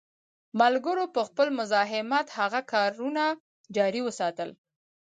ملګرو په خپل مزاحمت هغه کارونه جاري وساتل.